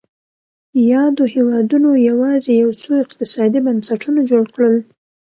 یادو هېوادونو یوازې یو څو اقتصادي بنسټونه جوړ کړل.